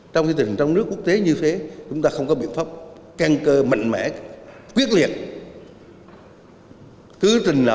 trong khi tình trạng trong nước quốc tế như thế chúng ta không có biện pháp can cơ mạnh mẽ quyết liệt